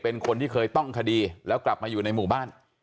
เป็นคนที่เคยต้องคดีแล้วกลับมาอยู่ในหมู่บ้าน